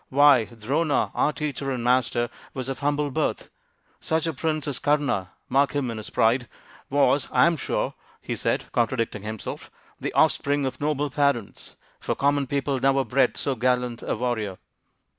" Why, Drona, our teacher and master was of humble birth. Such a prince as Kama mark him in his pride was, I am sure," he said, contradicting himself, " the offspring of noble parents, for common people never bred so gallant a warrior."